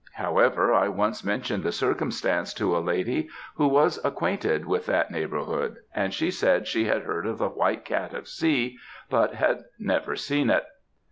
However, I once mentioned the circumstance to a lady who was acquainted with that neighbourhood, and she said she had heard of the White Cat of C., but had never seen it.